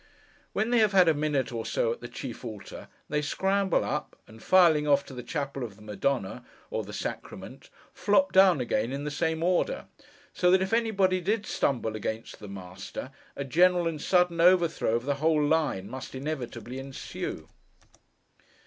When they have had a minute or so at the chief altar, they scramble up, and filing off to the chapel of the Madonna, or the sacrament, flop down again in the same order; so that if anybody did stumble against the master, a general and sudden overthrow of the whole line must inevitably ensue.